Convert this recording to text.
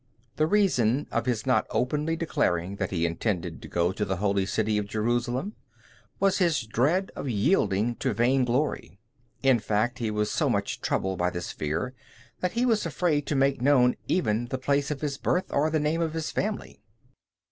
The reason of his not openly declaring that he intended to go to the holy city of Jerusalem was his dread of yielding to vain glory. In fact, he was so much troubled by this fear that he was afraid to make known even the place of his birth or the name of his family.